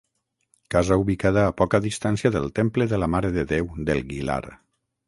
Casa ubicada a poca distància del temple de la Mare de Déu del Guilar.